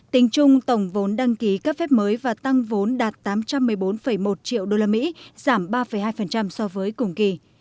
tính chung tổng vốn đăng ký cấp phép mới và tăng vốn đạt tám trăm một mươi bốn một triệu usd giảm ba hai so với cùng kỳ